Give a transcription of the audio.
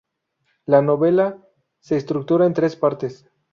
La novela se estructura en tres partes.